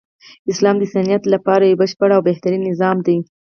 اسلام د انسانیت لپاره یو بشپړ او بهترین نظام دی .